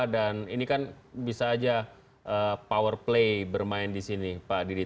dan ini kan bisa aja power play bermain di sini pak didi